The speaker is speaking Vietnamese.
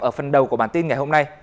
ở phần đầu của bản tin ngày hôm nay